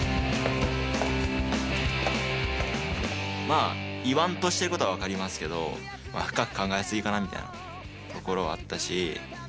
まあ言わんとしてることは分かりますけどまあ深く考え過ぎかなみたいなところはあったし。